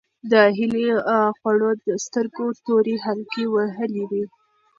د هیلې خړو سترګو تورې حلقې وهلې وې.